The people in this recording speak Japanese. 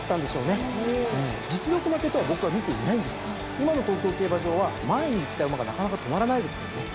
今の東京競馬場は前に行った馬がなかなか止まらないですからね。